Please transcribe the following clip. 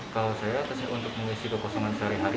kalau saya untuk mengisi kekosongan sehari hari